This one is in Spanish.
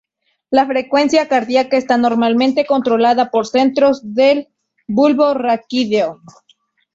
La frecuencia cardíaca está normalmente controlada por centros del bulbo raquídeo.